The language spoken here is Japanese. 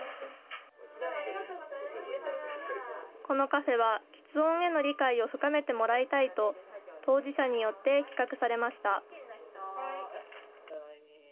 このカフェは、きつ音への理解を深めてもらいたいと、当事者によって企画されました。